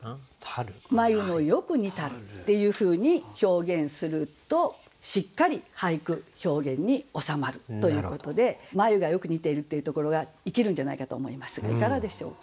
「眉のよく似たる」っていうふうに表現するとしっかり俳句表現に収まるということで眉がよく似ているっていうところが生きるんじゃないかと思いますがいかがでしょうか？